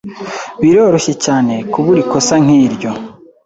Biroroshye cyane kubura ikosa nkiryo.